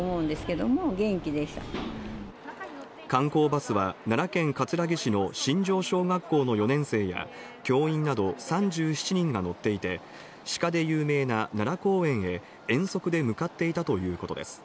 観光バスは、奈良県葛城市の新庄小学校の４年生や、教員など３７人が乗っていて、鹿で有名な奈良公園へ遠足で向かっていたということです。